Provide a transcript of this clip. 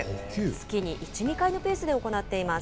月に１、２回のペースで行っています。